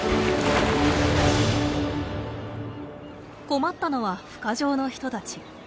困ったのはふ化場の人たち。